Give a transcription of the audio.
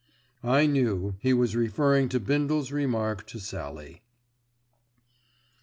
I knew he was referring to Bindle's remark to Sallie.